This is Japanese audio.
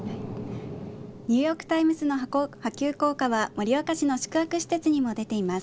ニューヨーク・タイムズの波及効果は盛岡市の宿泊施設にも出ています。